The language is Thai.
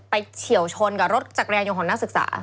เฉียวชนกับรถจักรยานยนต์ของนักศึกษา